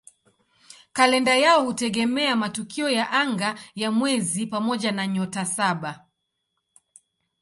Kalenda yao hutegemea matukio ya anga ya mwezi pamoja na "Nyota Saba".